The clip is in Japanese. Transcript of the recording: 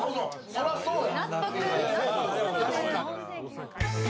そらそうや。